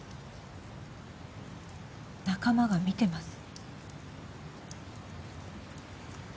仲間が見てます